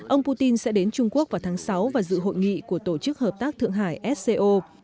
ông putin sẽ đến trung quốc vào tháng sáu và dự hội nghị của tổ chức hợp tác thượng hải sco